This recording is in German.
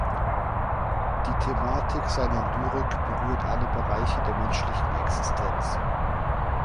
Die Thematik seiner Lyrik berührt alle Bereiche der menschlichen Existenz.